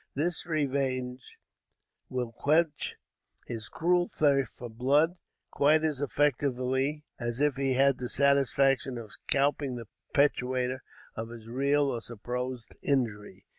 This revenge will quench his cruel thirst for blood quite as effectually as if he had the satisfaction of scalping the perpetrator of his real or supposed injury.